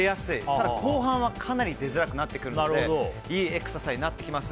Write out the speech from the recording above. ただ、後半はかなり出づらくなってくるのでいいエクササイズになってきます。